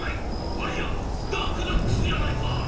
あれじゃダークダックスじゃないか！」。